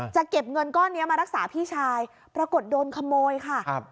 จะเก็บเงินก้อนนี้มารักษาพี่ชายปรากฏโดนขโมยค่ะครับ